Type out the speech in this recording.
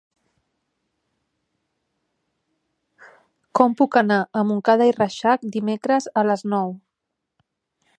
Com puc anar a Montcada i Reixac dimecres a les nou?